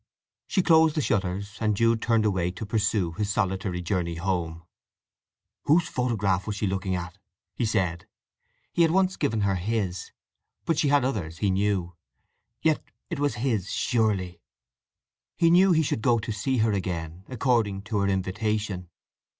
She closed the shutters, and Jude turned away to pursue his solitary journey home. "Whose photograph was she looking at?" he said. He had once given her his; but she had others, he knew. Yet it was his, surely? He knew he should go to see her again, according to her invitation.